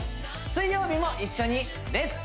水曜日も一緒にレッツ！